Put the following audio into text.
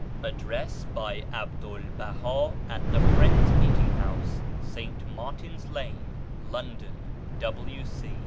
ADDRESS BY ABDUL BAHA AT THE FRIENDS' MEETING HOUSE, ST. MARTIN'S LANE, LONDON, W.C.